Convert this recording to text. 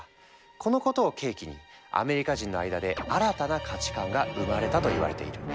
このことを契機にアメリカ人の間で新たな価値観が生まれたといわれている。